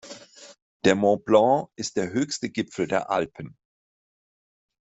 Der Mont Blanc ist der höchste Gipfel der Alpen.